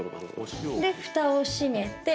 でふたを閉めて。